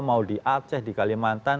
mau di aceh di kalimantan